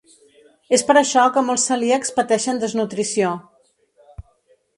És per això que molts celíacs pateixen desnutrició.